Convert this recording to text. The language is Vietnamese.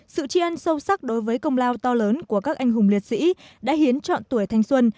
sự tri ân sâu sắc đối với công lao to lớn của các anh hùng liệt sĩ đã hiến chọn tuổi thanh xuân